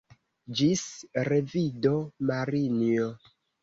Ĝis revido, Marinjo.